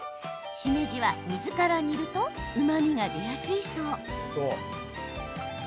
しめじは水から煮るとうまみが出やすいそう。